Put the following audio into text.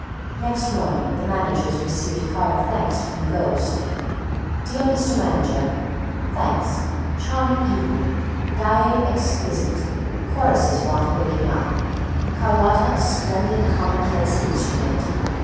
Next morning, the managers received a card of thanks from the ghost: DEAR, MR. MANAGER: Thanks. Charming evening. Daae exquisite. Choruses want waking up. Carlotta a splendid commonplace instrument.